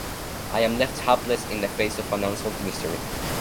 I am left hapless in the face of an unsolved mystery.